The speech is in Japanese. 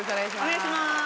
お願いします。